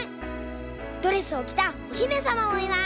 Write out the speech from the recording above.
ドレスをきたおひめさまもいます。